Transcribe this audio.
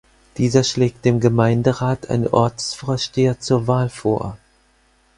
Dieser schlägt dem Gemeinderat einen Ortsvorsteher zur Wahl vor.